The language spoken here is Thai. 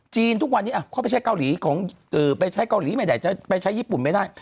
ทุกวันนี้เขาไปใช้เกาหลีของไปใช้เกาหลีไม่ได้ไปใช้ญี่ปุ่นไม่ได้